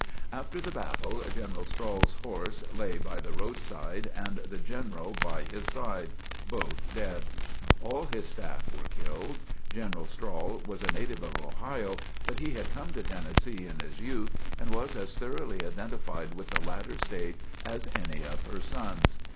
After the battle General Strahl's horse lay by the road side and the General by his side, both dead. All his staff were killed. General Strahl was a native of Ohio, but he had come to Tennessee in his youth, and was as thoroughly identified with the latter state as any of her sons.